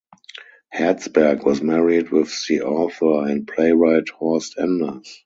Herzberg was married with the author and playwright Horst Enders.